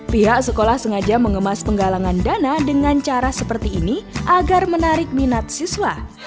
pihak sekolah sengaja mengemas penggalangan dana dengan cara seperti ini agar menarik minat siswa